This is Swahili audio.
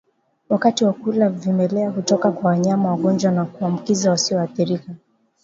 Wakati wa kula vimelea hutoka kwa wanyama wagonjwa na kuwaambukiza wasioathirika